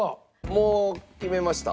もう決めました？